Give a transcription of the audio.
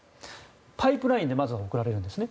パイプラインでまずは送られるんですね。